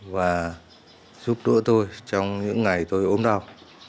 và giúp đỡ tôi trong những ngày tôi ốm đau